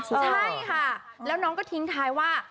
ใช่ค่ะแล้วน้องก็ทิ้งท้ายว่า